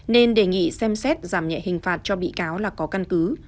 nên đề nghị xem xét giảm nhẹ hình phạt cho bị cáo là có căn cứ